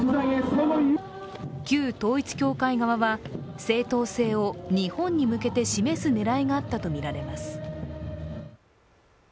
旧統一教会側は、正当性を日本に向けて示す狙いがあったとみられます。